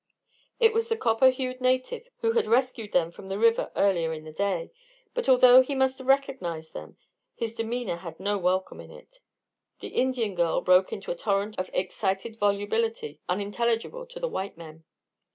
It was the copper hued native who had rescued them from the river earlier in the day; but although he must have recognized them, his demeanor had no welcome in it. The Indian girl broke into a torrent of excited volubility, unintelligible to the white men.